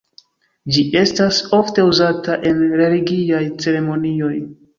Ĝi estas ofte uzata en religiaj ceremonioj.